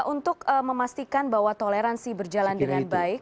untuk memastikan bahwa toleransi berjalan dengan baik